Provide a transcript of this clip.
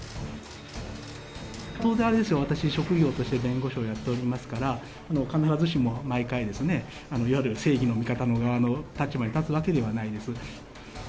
当然あれですよ、私、職業として弁護士をやっておりますから、必ずしも毎回ですね、いわゆる正義の味方の側の立場に立つわけではないです。